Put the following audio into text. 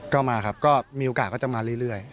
ก็มาครับก็มีโอกาสก็จะมาเรื่อย